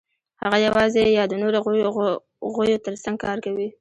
هغوی یواځې یا د نورو غویو تر څنګ کار کوي.